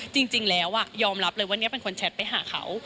จริงแล้วยอมรับเลยว่าเนี่ยเป็นคนแชทไปหาเขา